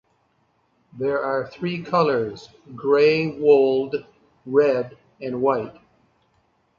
There are three colors: gray wold, red, and white.